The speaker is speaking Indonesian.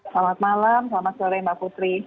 selamat malam selamat sore mbak putri